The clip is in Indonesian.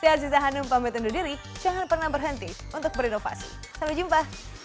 saya aziza hanum pamit undur diri jangan pernah berhenti untuk berinovasi sampai jumpa